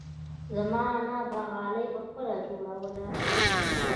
زما انا به غالۍ پخپله جوړوله.